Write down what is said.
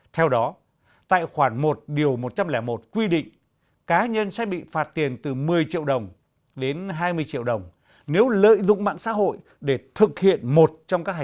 theo đó tại khoản một một trăm linh một quy định cá nhân sẽ bị phạt tiền từ một mươi triệu đồng đến hai mươi triệu đồng nếu lợi dụng mạng xã hội để thực hiện một trong các hành vi